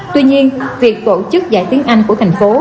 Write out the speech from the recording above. tuy nhiên việc tổ chức dạy tiếng anh của thành phố